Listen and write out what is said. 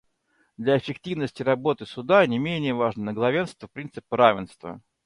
Для эффективности работы Суда не менее важно главенство принципа равенства.